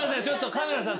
カメラさん